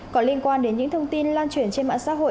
có liên quan đến những thông tin lan truyền trên mạng xã hội